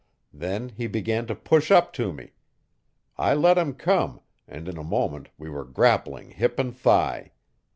Then he began to push up to me. I let him come, and in a moment we were grappling hip and thigh.